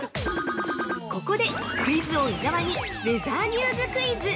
◆ここで、クイズ王・伊沢にウェザーニューズクイズ！